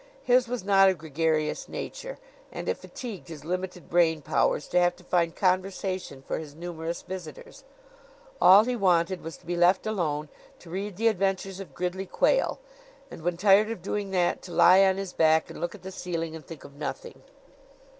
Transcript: His was not a gregarious nature and it fatigued his limited brain powers to have to find conversation for his numerous visitors. All he wanted was to be left alone to read the adventures of Gridley Quayle, and when tired of doing that to lie on his back and look at the ceiling and think of nothing.